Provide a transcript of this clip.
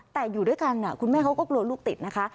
แต่อยู่ด้วยกันคุณแม่เขาก็กลัวลูกติดนะคะ